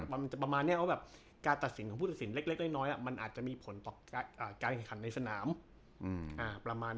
มันจะประมาณเนี่ยว่าการตัดสินของผู้ตัดสินเล็กเล็กน้อยมันอาจจะมีผลต่อการแข่งขันในสนาม